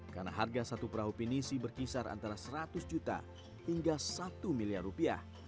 karena harga satu perahu penisi berkisar antara seratus juta hingga satu miliar rupiah